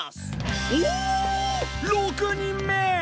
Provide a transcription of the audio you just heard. おお６人目！